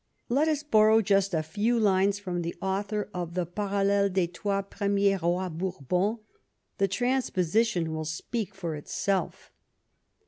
Let us borrow just a few lines from the author of the " Parallele des trois premiers Rois Bourbons "; the transposition will speak for itself.